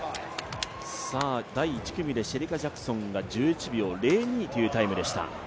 第１組で、シェリカ・ジャクソンが１１秒０２というタイムでした。